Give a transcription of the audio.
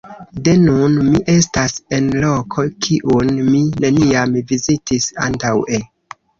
De nun, mi estas en loko, kiun mi neniam vizitis antaŭe.